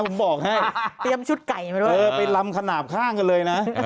ผมบอกให้เตรียมชุดไก่มาด้วยเออไปลำขนาดข้างกันเลยนะ